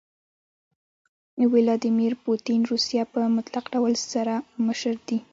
ويلاديمير پوتين روسيه په مطلق ډول سره مشر دي.